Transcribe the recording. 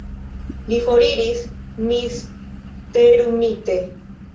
Li foriris, misterumite.